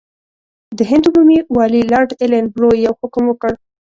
د هند عمومي والي لارډ ایلن برو یو حکم وکړ.